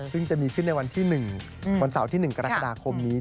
ซึ่งจะมีขึ้นในวันที่๑วันเสาร์ที่๑กรกฎาคมนี้